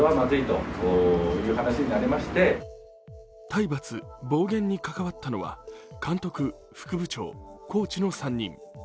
体罰・暴言に関わったのは監督、副部長、コーチの３人。